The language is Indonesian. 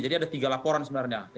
jadi ada tiga laporan sebenarnya